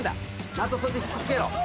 松尾そっち引き付けろ。